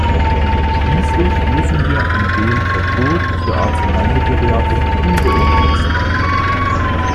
Schließlich müssen wir an dem Verbot für Arzneimittelwerbung unbeirrt festhalten.